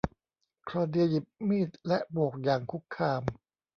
คลอเดียหยิบมีดและโบกอย่างคุกคาม